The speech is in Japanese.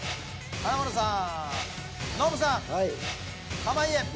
華丸さん！